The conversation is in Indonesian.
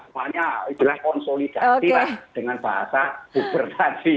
semuanya konsolidasi dengan bahasa buber tadi